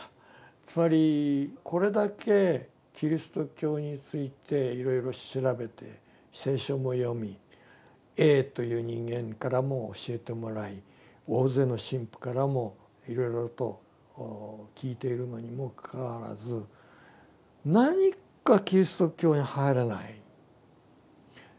つまりこれだけキリスト教についていろいろ調べて聖書も読みＡという人間からも教えてもらい大勢の神父からもいろいろと聞いているのにもかかわらず何かキリスト教に入れない。